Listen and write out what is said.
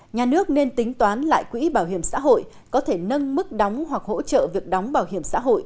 nhà nước nên tính toán lại quỹ bảo hiểm xã hội có thể nâng mức đóng hoặc hỗ trợ việc đóng bảo hiểm xã hội